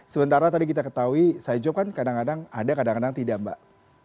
sementara tadi kita ketahui side jo kan kadang kadang ada kadang kadang tidak mbak